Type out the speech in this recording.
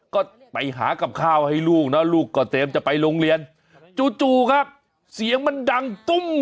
ก็ไปหากับข้าวให้ลูกนะลูกก็เตรียมจะไปโรงเรียนจู่ครับเสียงมันดังตุ้ม